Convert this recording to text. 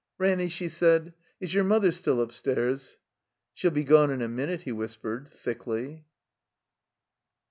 "Ranny," she said, "is your mother still up stairs?" "She'll be gone in a minute," he whispered, thickly.